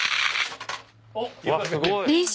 すごい。